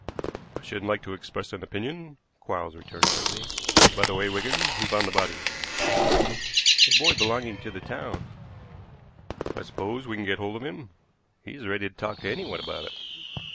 "I shouldn't like to express an opinion," Quarles returned shortly. "By the way, Wigan, who found the body?" "A boy belonging to the town." "I suppose we can get hold of him?" "He is ready to talk to anyone about it."